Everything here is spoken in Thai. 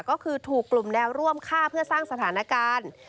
ก็คือถูกกลุ่มแนวร่วมฆ่าเพื่อสร้างสถานการณ์